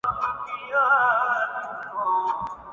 میں نے کسی قصاب کو بھی زندہ بکرے کی کھال کھینچتے ہوئے نہیں دیکھا